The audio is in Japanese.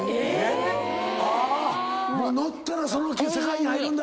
乗ったらその世界に入るんだ。